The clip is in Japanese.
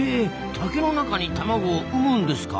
竹の中に卵を産むんですか。